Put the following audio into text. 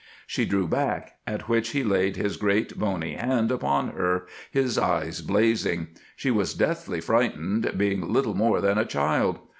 She drew back, at which he laid his great, bony hand upon her, his eyes blazing. She was deathly frightened, being little more than a child.